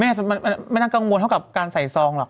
ไม่น่ากังวลเท่ากับการใส่ซองหรอก